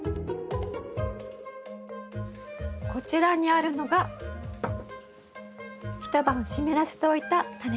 こちらにあるのが一晩湿らせておいたタネですね。